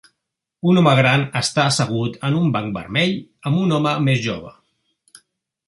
Un home gran està assegut en un banc vermell amb un home més jove.